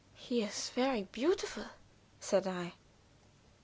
"He is very beautiful," said I.